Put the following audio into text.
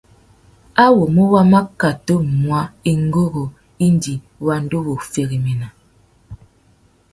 Awômô wa mà kutu muá ingurú indi wa ndú wu féréména.